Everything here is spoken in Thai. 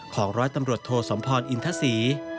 ร้อยตำรวจโทสมพรอินทศรี